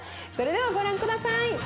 それではご覧下さい。